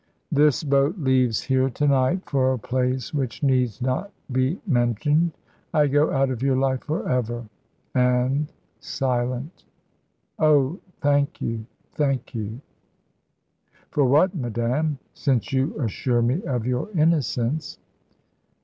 "This boat leaves here to night for a place which need not be mentioned. I go out of your life for ever, and silent." "Oh, thank you thank you!" "For what, madame, since you assure me of your innocence?"